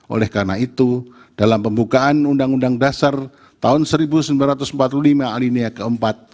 oleh karena itu dalam pembukaan undang undang dasar tahun seribu sembilan ratus empat puluh lima alinia keempat